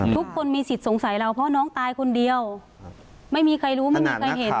ทุกคนมีสิทธิ์สงสัยเราเพราะน้องตายคนเดียวไม่มีใครรู้ไม่มีใครเห็น